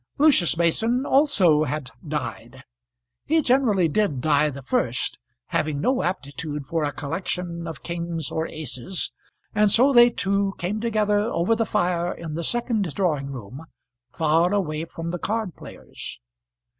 Lucius Mason also had died. He generally did die the first, having no aptitude for a collection of kings or aces, and so they two came together over the fire in the second drawing room, far away from the card players.